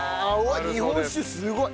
日本酒すごい。